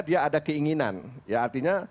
dia ada keinginan ya artinya